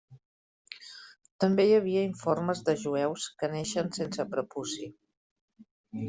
També hi havia informes de jueus que neixen sense prepuci.